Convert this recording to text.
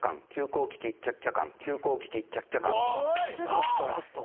ラストラスト。